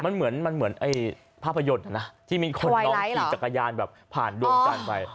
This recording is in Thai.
มันเหมือนภาพยนตร์นะที่มีคนนองขี่จักรยานแบบผ่านดวงจันทร์ไป